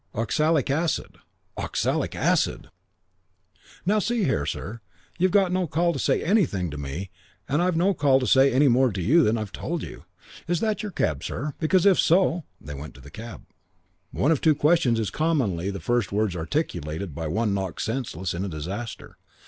Oxalic acid." "Oxalic acid!" "Now, see here, sir. You've no call to say anything to me and I've no call to say more to you than I've told you. Is that your cab, sir? Because if so " They went to the cab. II One of two questions is commonly the first words articulated by one knocked senseless in a disaster.